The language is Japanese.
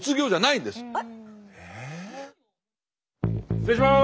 失礼します。